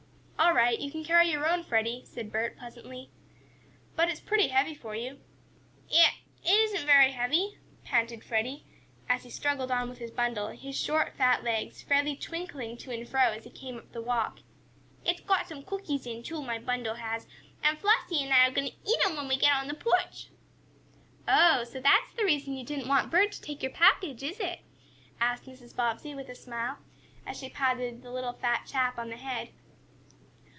"All right, you can carry your own, Freddie," said Bert, pleasantly. "But it's pretty heavy for you." "It it isn't very heavy," panted Freddie, as he struggled on with his bundle, his short fat legs fairly "twinkling" to and fro as he came up the walk. "It's got some cookies in, too, my bundle has; and Flossie and I are going to eat 'em when we get on the porch." "Oh, so that's the reason you didn't want Bert to take your package, is it?" asked Mrs. Bobbsey, with a smile, as she patted the little fat chap on the head.